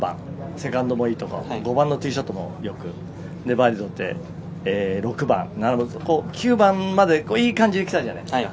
セカンドとか５番のティーショットもよく粘って９番までいい感じで来たじゃないですか。